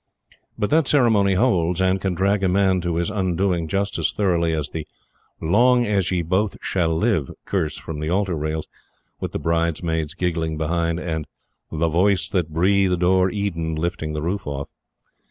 But that ceremony holds and can drag a man to his undoing just as thoroughly as the "long as ye both shall live" curse from the altar rails, with the bridesmaids giggling behind, and "The Voice that breathed o'er Eden" lifting the roof off.